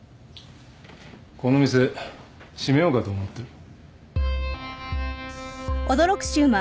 この店閉めようかと思ってる。